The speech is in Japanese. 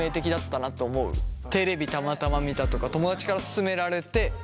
テレビたまたま見たとか友だちから勧められてとか。